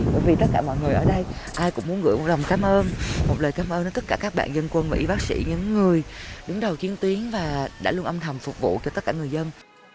bởi vì tất cả mọi người ở đây ai cũng muốn gửi một lòng cảm ơn một lời cảm ơn đến tất cả các bạn dân quân mỹ bác sĩ những người đứng đầu chiến tuyến và đã luôn âm thầm phục vụ cho tất cả người dân